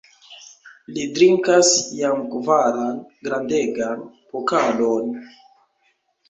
Li drinkas jam kvaran grandegan pokalon!